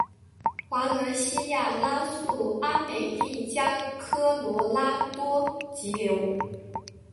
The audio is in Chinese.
华伦西亚拉素阿美利加科罗拉多急流